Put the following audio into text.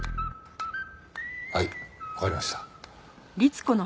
はいわかりました。